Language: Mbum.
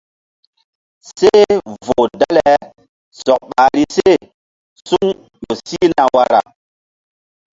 Seh voh dale sɔk ɓahri se suŋ ƴo sihna wara.